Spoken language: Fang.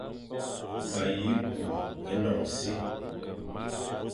Ma yi kù énon e si.